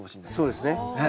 そうですね。